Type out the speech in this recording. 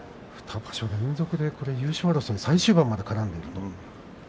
２場所連続で優勝争いに最終盤まで絡んでいます。